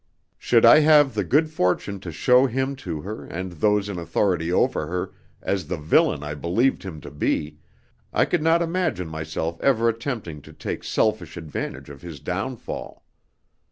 Should I have the good fortune to show him to her and those in authority over her, as the villain I believed him to be, I could not imagine myself ever attempting to take selfish advantage of his downfall.